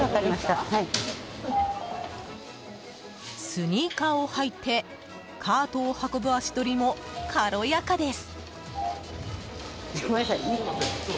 スニーカーを履いてカートを運ぶ足取りも軽やかです。